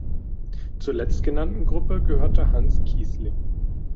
Zur letztgenannten Gruppe gehörte Hans Kießling.